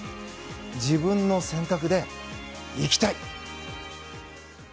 自分の選択で生きたい。